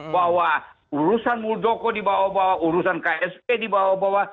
bahwa urusan muldoko dibawa bawa urusan ksp dibawa bawa